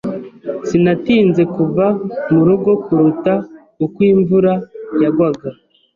Sinatinze kuva mu rugo kuruta uko imvura yagwaga.